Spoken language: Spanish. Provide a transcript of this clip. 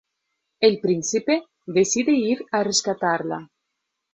El príncipe decide ir a rescatarla.